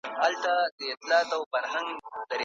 آیا دا غلام په اصل کې د حبشې د خاورې و؟